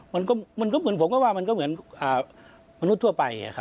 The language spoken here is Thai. มันก็เหมือนผมก็ว่ามันก็เหมือนมนุษย์ทั่วไป